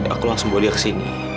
aku langsung bawa dia kesini